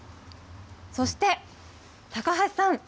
そして、高橋さん。